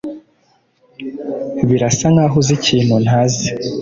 Birasa nkaho uzi ikintu ntazi.